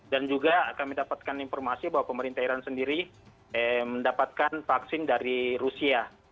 dan juga kami dapatkan informasi bahwa pemerintah iran sendiri mendapatkan vaksin dari rusia